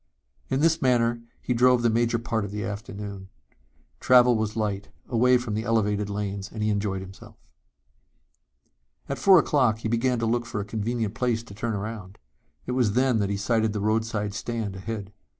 In this manner he drove the major part of the afternoon. Travel was light, away from the elevated lanes and he enjoyed himself. At four o'clock he began to look for a convenient place to turn around. It was then that he sighted the roadside stand ahead.